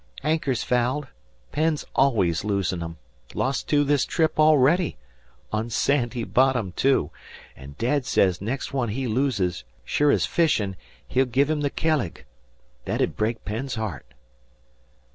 "Anchor's fouled. Penn's always losing 'em. Lost two this trip a'ready on sandy bottom too an' Dad says next one he loses, sure's fishin', he'll give him the kelleg. That 'u'd break Penn's heart."